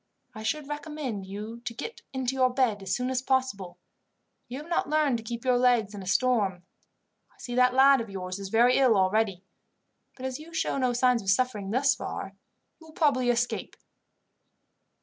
I should recommend you to get into your bed as soon as possible. You have not learned to keep your legs in a storm. I see that lad of yours is very ill already, but as you show no signs of suffering thus far, you will probably escape."